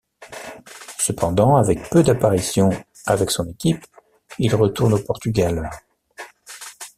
Cependant, avec peu d'apparition avec son équipe, il retourne au Portugal.